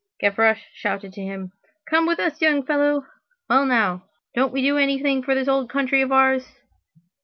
Gavroche shouted to him:— "Come with us, young fellow! well now, don't we do anything for this old country of ours?"